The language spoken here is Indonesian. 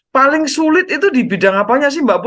paling sulit itu di bidang apanya sih mbak